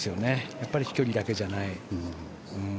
やっぱり飛距離だけじゃない。